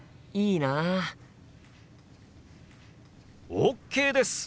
ＯＫです！